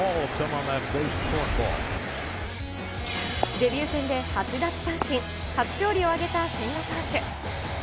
デビュー戦で８奪三振、初勝利を挙げた千賀投手。